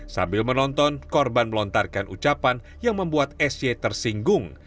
sambil menonton korban melontarkan ucapan yang membuat sy tersinggung